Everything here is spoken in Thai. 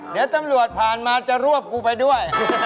เดี๋ยวตำรวจผ่านมาจะรวบกูไปด้วย